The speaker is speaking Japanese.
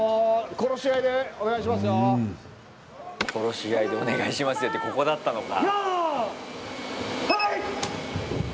「殺し合いでお願いしますよ」ってここだったのか。